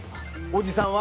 おじさんは。